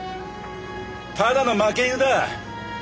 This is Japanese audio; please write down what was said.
ただの負け犬だ。